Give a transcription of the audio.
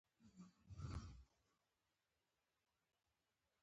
مشرف وویل هند د پاکستان ضد افغانستان جوړوي.